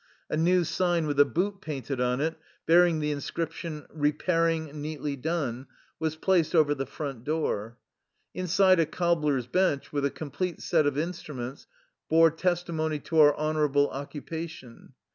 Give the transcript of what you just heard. A new sign with a boot painted on it, bearing the in scription " Repairing neatly done,'' was placed over the front door. Inside a cobbler's bench with a complete set of instruments bore testi mony to our honorable occupation.